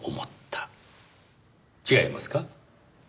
違いますか？